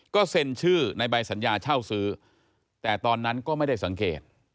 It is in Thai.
ก็เซ็นชื่อในใบสัญญาเช่าซื้อแต่ตอนนั้นก็ไม่ได้สังเกต